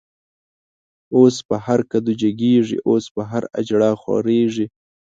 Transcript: اوس په هر کدو جګيږی، اوس په هر” اجړا” خوريږی